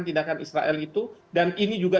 tindakan israel itu dan ini juga